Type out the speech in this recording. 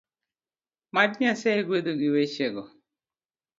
Mad Nyasaye gwedhu gi wechego